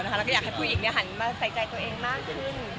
และอยากภูมิอีกหันมาใส่ใจตัวเองมากขึ้น